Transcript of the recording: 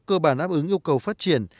cơ bản áp ứng yêu cầu phát triển